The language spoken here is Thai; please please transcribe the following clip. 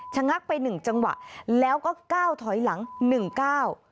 งักไปหนึ่งจังหวะแล้วก็ก้าวถอยหลังหนึ่งเก้า